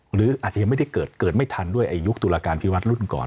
หรืออาจจะยังไม่ได้เกิดเกิดไม่ทันด้วยไอ้ยุคตุลาการพิวัติรุ่นก่อน